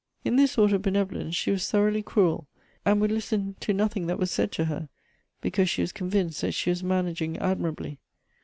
In this sort of benevolence she was thoroughly cruel, and would listen to nothing that was said to her, because she was convinced that she was managing admirably.